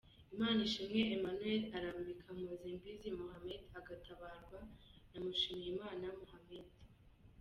Imanishimwe Emmanuel arambika Mpozembizi Mohammed agatabarwa na Mushimiyimana Mohammed.